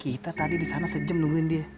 kita tadi disana sejam nungguin dia